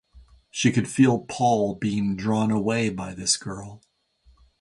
She could feel Paul being drawn away by this girl.